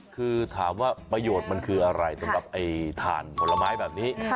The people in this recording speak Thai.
คือถามว่าประโยชน์มันคืออะไรสำหรับไอ้ถ่านผลไม้แบบนี้